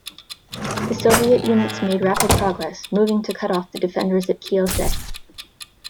The Soviet units made rapid progress, moving to cut off the defenders at Kielce.